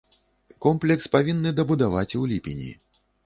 Комплекс павінны дабудаваць у ліпені.